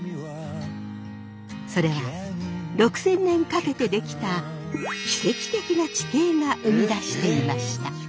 それは６，０００年かけて出来た奇跡的な地形が生み出していました。